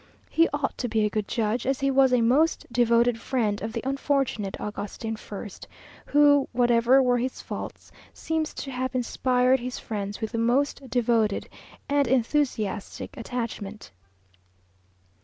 He ought to be a good judge, as he was a most devoted friend of the unfortunate Agustin I., who, whatever were his faults, seems to have inspired his friends with the most devoted and enthusiastic attachment.